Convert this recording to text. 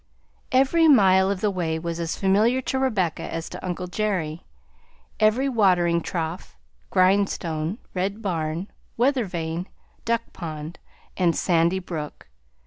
Every mile of the way was as familiar to Rebecca as to uncle Jerry; every watering trough, grindstone, red barn, weather vane, duck pond, and sandy brook.